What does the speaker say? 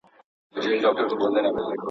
دا مرغلري خریدار نه لري.